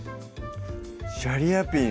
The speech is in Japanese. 「シャリアピン」